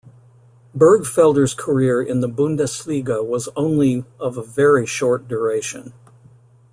Bergfelder's career in the Bundesliga was only of a very short duration.